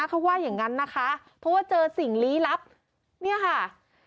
เขาว่าอย่างนั้นนะคะเพราะว่าเจอสิ่งลี้ลับเนี่ยค่ะ